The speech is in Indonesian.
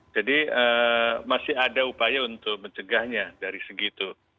jadi masih ada upaya untuk mencegahnya dari segitu